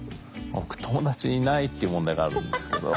僕友達いないっていう問題があるんですけど。